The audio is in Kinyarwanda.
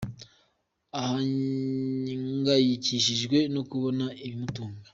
Ahangayikishijwe no kubona ibimutunga